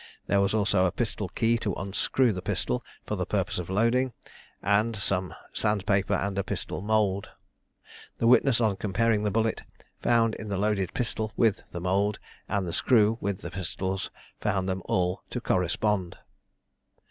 There was also a pistol key to unscrew the pistol for the purpose of loading, and some sand paper and a pistol mould. The witness on comparing the bullet found in the loaded pistol with the mould, and the screw with the pistols, found them all to correspond.